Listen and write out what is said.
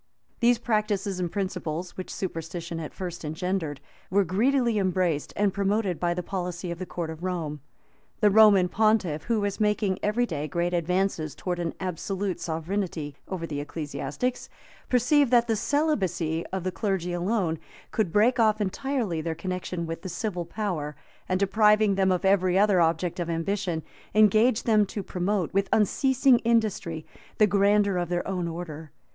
These practices and principles, which superstition at first engendered, were greedily embraced and promoted by the policy of the court of Rome. The Roman pontiff, who was making every day great advances towards an absolute sovereignty over the ecclesiastics, perceived that the celibacy of the clergy alone could break off entirely their connection with the civil power, and, depriving them of every other object of ambition, engage them to promote, with unceasing industry, the grandeur of their own order.